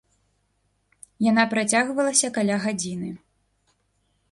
Яна працягвалася каля гадзіны.